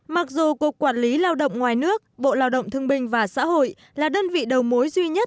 mặc dù cục quản lý lao động ngoài nước bộ lao động thương bình và xã hội là đơn vị đầu mối duy nhất